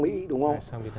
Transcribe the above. ồ hạt sang việt nam